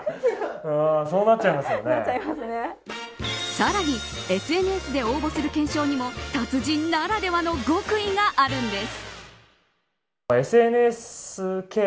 さらにＳＮＳで応募する懸賞にも達人ならではの極意があるんです。